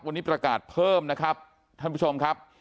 วันนี้ประกาศเพิ่มนะครับท่านผู้ชมครับ